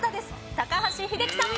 高橋英樹さん。